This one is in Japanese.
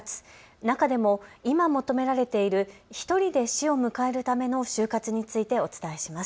中でも今求められているひとりで死を迎えるための終活についてお伝えします。